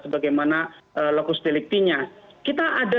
sebagaimana lokus deliktinya kita ada